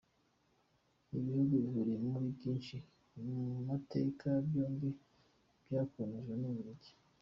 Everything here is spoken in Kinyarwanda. Ibi bihugu bihuriye kuri byinshi ku mateka, byombi byakolonijwe n’u Bubiligi.